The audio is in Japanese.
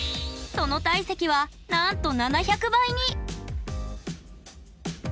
その体積はなんと７００倍に！